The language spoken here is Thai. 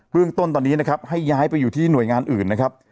เรื่องต้นตอนนี้นะครับให้ย้ายไปอยู่ที่หน่วยงานอื่นนะครับ